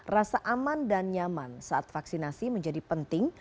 rasa aman dan nyaman saat vaksinasi menjadi penting